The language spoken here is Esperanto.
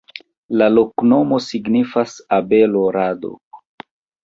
La loknomo signifas: abelo-rado.